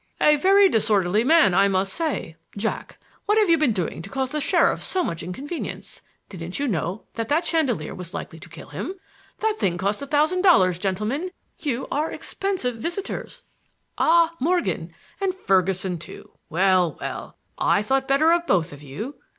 "A very disorderly man, I must say. Jack, what have you been doing to cause the sheriff so much inconvenience? Didn't you know that that chandelier was likely to kill him? That thing cost a thousand dollars, gentlemen. You are expensive visitors. Ah, Morgan,— and Ferguson, too! Well, well! I thought better of both of you.